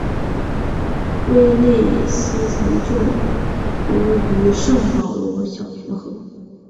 威利斯曾就读于圣保罗小学和。